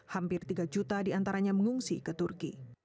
hampir tiga juta diantaranya mengungsi ke turki